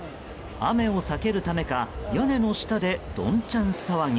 雨を避けるためか、屋根の下でどんちゃん騒ぎ。